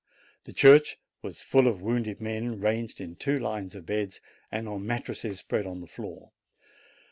The church was full of wounded men, ranged in two lines of beds, and on mattresses spread on the floor.